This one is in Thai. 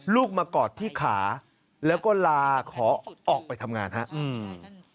ลูกมากอดที่ขาแล้วก็ลาขอออกไปทำงานครับอืม